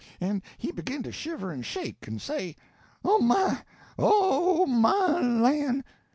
En he begin to shiver en shake, en say, "Oh, my! Oh, my lan'!"